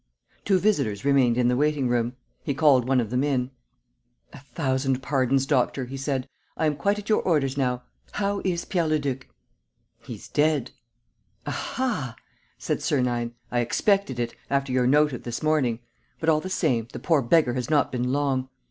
Two visitors remained in the waiting room. He called one of them in: "A thousand pardons, Doctor," he said. "I am quite at your orders now. How is Pierre Leduc?" "He's dead." "Aha!" said Sernine. "I expected it, after your note of this morning. But, all the same, the poor beggar has not been long.